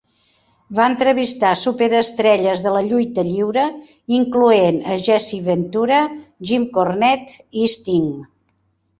Va entrevistar superestrelles de la lluita lliure, incloent a Jesse Ventura, Jim Cornette i Sting.